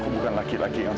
kamu dengan semangat